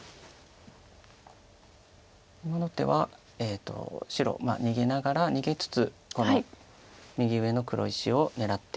今の手は白逃げながら逃げつつこの右上の黒石を狙ってる手です。